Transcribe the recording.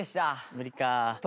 無理か。